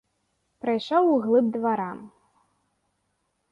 Прайшоў у глыб двара.